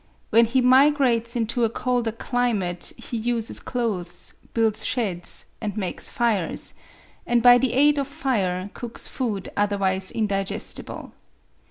When he migrates into a colder climate he uses clothes, builds sheds, and makes fires; and by the aid of fire cooks food otherwise indigestible.